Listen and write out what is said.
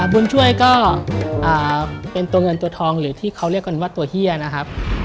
บุญช่วยก็เป็นตัวเงินตัวทองหรือที่เขาเรียกกันว่าตัวเฮียนะครับ